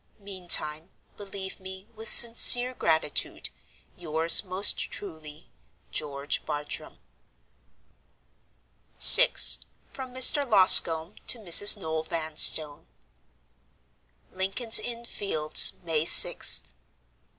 Meantime, believe me, with sincere gratitude, "Yours most truly, "GEORGE BARTRAM." VI. From Mr. Loscombe to Mrs. Noel Vanstone. "Lincoln's Inn Fields, May 6th.